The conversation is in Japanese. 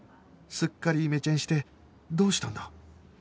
すっかりイメチェンしてどうしたんだ？